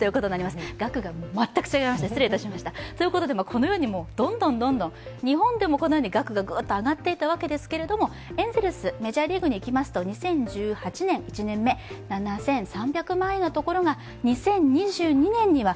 このようにどんどん日本でも額がぐーっと上がっていったわけですけどエンゼルス、メジャーリーグに行きますと２０１８年、１年目７３００万円のところが２０２２年には